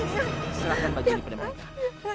silahkan bagi ini pada mereka